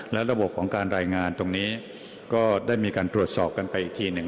และระบบของการรายงานตรงนี้ก็ได้มีการตรวจสอบกันไปอีกทีหนึ่ง